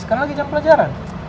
karena lagi jam pelajaran